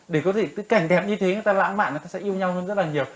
để có thể cái cảnh đẹp như thế người ta lãng mạn người ta sẽ yêu nhau hơn rất là nhiều